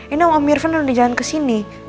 ini om irfan udah di jalan kesini